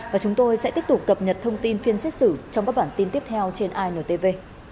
và chúng tôi sẽ tiếp tục cập nhật thông tin phiên xét xử trong các bản tin tiếp theo trên intv